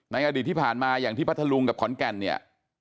อดีตที่ผ่านมาอย่างที่พัทธลุงกับขอนแก่นเนี่ย